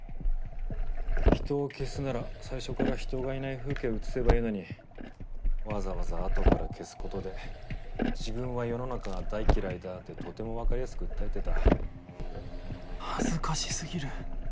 人を消すなら最初から人がいない風景を写せばいいのにわざわざあとから消すことで自分は世の中が大嫌いだってとても分かりやすく訴えてた。